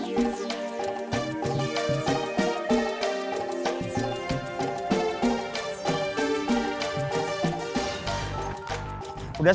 aku itu kamal